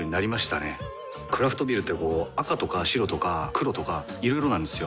クラフトビールってこう赤とか白とか黒とかいろいろなんですよ。